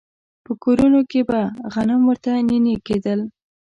په کورونو کې به غنم ورته نينې کېدل.